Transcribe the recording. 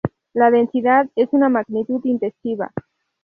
La densidad es una magnitud intensiva.